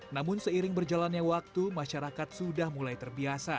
namun seiring berjalannya waktu masyarakat sudah mulai terbiasa